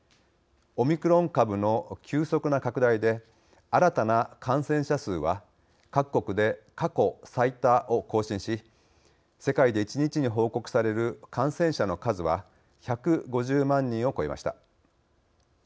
オミクロン株の急速な拡大で新たな感染者数は各国で過去最多を更新し世界で１日に報告される感染者の数は１５０万人を超えました。